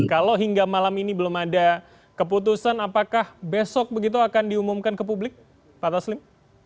kalau hingga malam ini belum ada keputusan apakah besok begitu akan diumumkan ke publik pak taslim